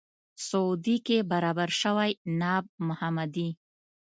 سعودي کې برابر شوی ناب محمدي.